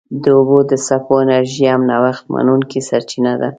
د اوبو د څپو انرژي هم نوښت منونکې سرچینه ده.